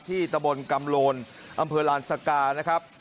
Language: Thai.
ตะบนกำโลนอำเภอลานสกานะครับ